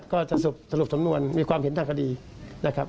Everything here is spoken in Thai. ก็จะสรุปสำนวนมีความเห็นทางคดีนะครับ